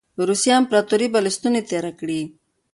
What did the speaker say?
روسیې امپراطوري به یې له ستوني تېره کړي.